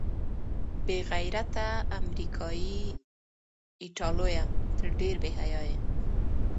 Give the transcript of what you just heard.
بې غیرته امریکايي ایټالویه، ته ډېر بې حیا یې.